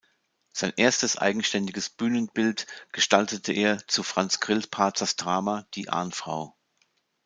Sein erstes eigenständiges Bühnenbild gestaltete er zu Franz Grillparzers Drama „Die Ahnfrau“.